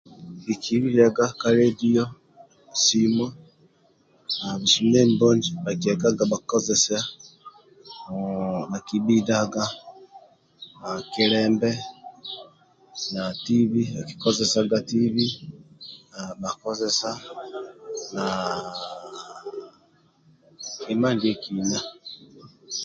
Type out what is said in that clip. Kiki ibiliaga ka ledio ka simu bhakiyaga bhakozesa hhh bhakibhindaga kilembe na TV bhakikozesa TV haa bhakozesa na kima ndiekina